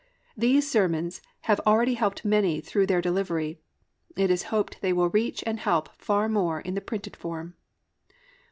These sermons have already helped many through their delivery. It is hoped they will reach and help far more in the printed form.